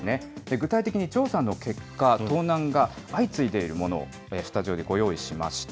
具体的に調査の結果、盗難が相次いでいるものを、スタジオにご用意しました。